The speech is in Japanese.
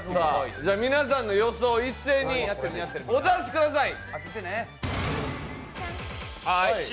皆さんの予想一斉にお出しください。